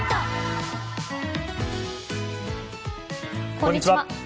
こんにちは。